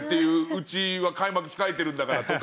うちは開幕控えてるんだからとか。